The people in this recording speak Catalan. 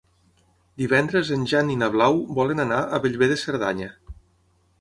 Divendres en Jan i na Blau volen anar a Bellver de Cerdanya.